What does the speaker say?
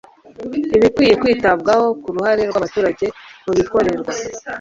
ibikwiye kwitabwaho ku ruhare rw abaturage mu bibakorerwa